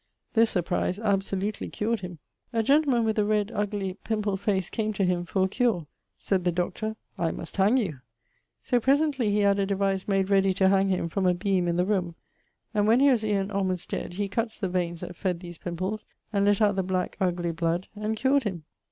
This surprize absolutely cured him. A gentleman with a red, ugly, pumpled face came to him for a cure. Said the Dr., 'I must hang you.' So presently he had a device made ready to hang him from a beame in the roome; and when he was e'en almost dead, he cutts the veines that fed these pumples, and lett out the black ugly bloud, and cured him.